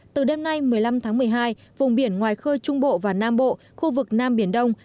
từ đêm nay một mươi năm tháng một mươi hai vùng biển ngoài khơi trung bộ và nam bộ khu vực nam biển đông